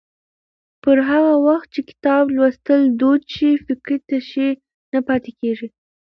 پر هغه وخت چې کتاب لوستل دود شي، فکري تشې نه پاتې کېږي.